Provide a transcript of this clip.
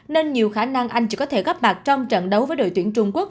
nên nhiều khả năng anh chỉ có thể gấp bạc trong trận đấu với đội tuyển trung quốc